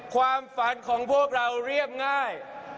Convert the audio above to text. ความฝันของพวกเราเรียบง่าย